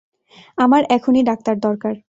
আমার এখনই ডাক্তার দরকার।